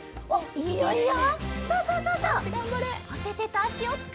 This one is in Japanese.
いいよいいよ